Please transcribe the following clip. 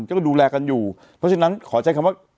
ก็ดูแลกันอยู่เพราะฉะนั้นขอใช้คำว่า